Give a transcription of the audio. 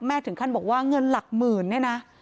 แม่ถึงขั้นบอกว่าเงินหลักหมื่นนะ